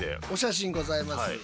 お写真ございます。